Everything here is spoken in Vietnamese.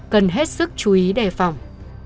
cần hết sức chú ý đề phòng